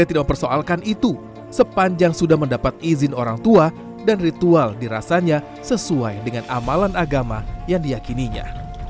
hose tidak mempersoalkan itu sepanjang sudah mendapat izin orang tua dan ritual dirasanya sesuai dengan amalan agama yang diyakininya